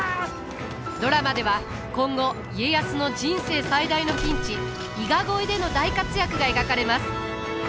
ドラマでは今後家康の人生最大のピンチ伊賀越えでの大活躍が描かれます。